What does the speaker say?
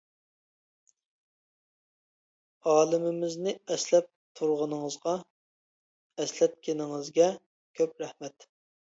ئالىمىمىزنى ئەسلەپ تۇرغىنىڭىزغا، ئەسلەتكىنىڭىزگە كۆپ رەھمەت.